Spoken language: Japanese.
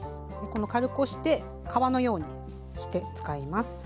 軽く押して皮のようにして使います。